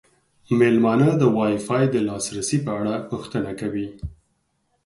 میلمانه د وای فای د لاسرسي په اړه پوښتنه کوي.